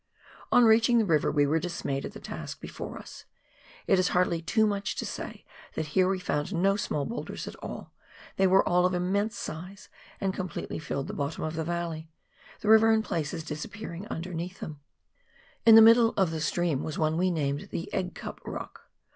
On reaching the river we were dismayed at the task before us ; it is hardly too much to say that here we found no small boulders at all, they were all of immense size and completely filled the bottom of the valley, the river in places disappearing under them. In the middle of the stream was one we named the " Egg Cup" Rock.